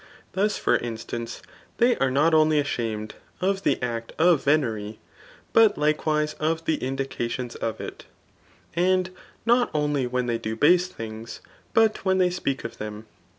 Thus for mstance they are not oi^ ashamed of the act of venery, but likeNrtse of the indications of it ; and not only when they do base things, but when they q>eak of them.